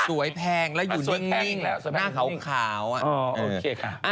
สวยแพงแล้วอยู่นิ่งหน้าขาวอ่ะ